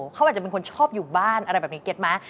เขาอาจจะเป็นคนชอบอยู่บ้านอะไรแบบนี้เก็ตไหม